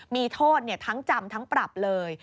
มีโทษทั้งจำทั้งปรับเลย